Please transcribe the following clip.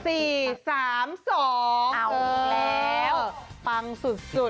เอาแล้วปังสุด